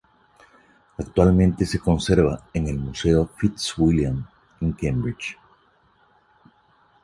Actualmente se conserva en el Museo Fitzwilliam en Cambridge.